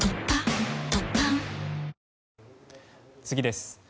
次です。